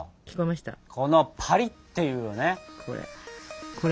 このパリッていうね音よ。